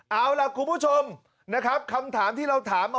เอาละคุณผู้ชมคำถามที่ถามเอาไว้